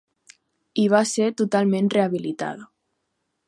I va ser totalment rehabilitada.